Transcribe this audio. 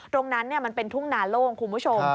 ตรงนั้นมันเป็นทุ่งนาโล่งคุณผู้ชม